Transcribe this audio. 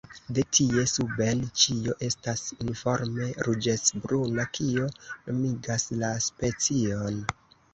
De tie suben ĉio estas uniforme ruĝecbruna, kio nomigas la specion.